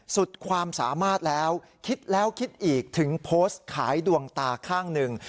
สุดความสามารถแล้วคิดแล้วคิดอีกถึงโพสต์ขายดวงตาข้างหนึ่ง